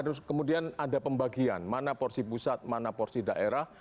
terus kemudian ada pembagian mana porsi pusat mana porsi daerah